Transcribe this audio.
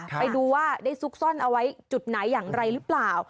ไปดูว่าได้ซุกซ่อนเอาไว้จุดไหนอย่างไรหรือเปล่า